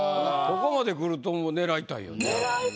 ここまでくると狙いたいよね。